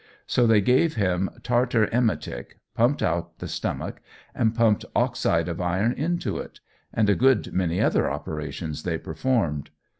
So they gave him tartar emetic, pumped out the stomach, and pumped oxide of iron into it, and a good many other operations they performed.